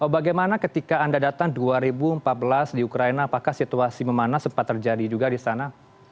bagaimana ketika anda datang dua ribu empat belas di ukraina apakah situasi memanas sempat terjadi juga di sana